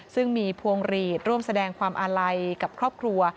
ซึ่งมีพวงหลีดร่วมแสดงความอาลัยกับครอบครัว